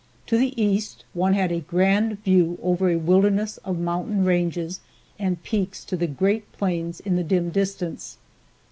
To the East one had a grand view over a wilderness of mountain ranges and peaks to the great plains in the dim distance.